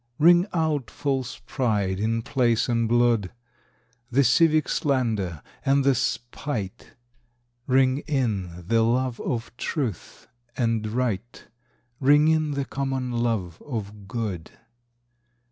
Ring out false pride in place and blood, The civic slander and the spite; Ring in the love of truth and right, Ring in the common love of good.